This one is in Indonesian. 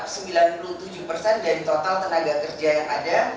sembilan puluh tujuh persen dari total tenaga kerja yang ada